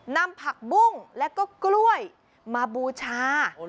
นำผักบุ้งแล้วก็กล้วยมาบูชา